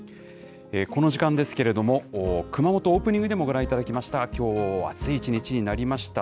この時間ですけれども、熊本、オープニングでもご覧いただきました、きょうは暑い一日になりました。